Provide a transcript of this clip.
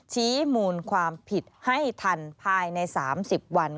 ชี้มูลความผิดให้ทันภายใน๓๐วัน